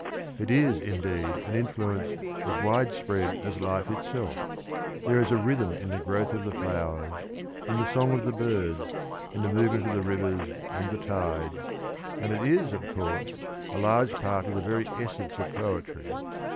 It is, indeed, an influence as widespread as life itself; there is a rhythm in the growth of the flowers, in the song of the birds, in the movement of the rivers and the tides and it is, of course, a large part of the very essence of poetry.